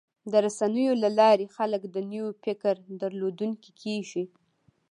د رسنیو له لارې خلک د نوي فکر درلودونکي کېږي.